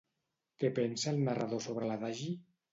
Què pensa el narrador sobre l'adagi?